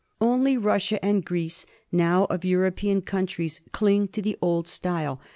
Only Russia and Greece now of Euro pean countries cling to the old style.